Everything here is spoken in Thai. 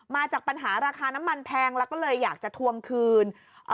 มาจากปัญหาราคาน้ำมันแพงแล้วก็เลยอยากจะทวงคืน